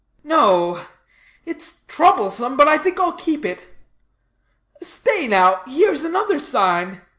"No; it's troublesome, but I think I'll keep it. Stay, now, here's another sign.